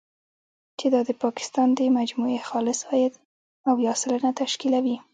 چې دا د پاکستان د مجموعي خالص عاید، اویا سلنه تشکیلوي.